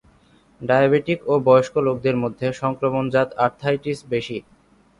Diabetic ও বয়স্ক লোকদের মধ্যে সংক্রমণজাত আর্থ্রাইটিস বেশী।